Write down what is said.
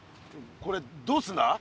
これどうするんだ？